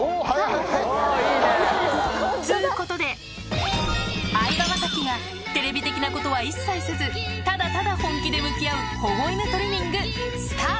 っつうことで相葉雅紀がテレビ的なことは一切せずただただ本気で向き合う保護犬トリミングスタート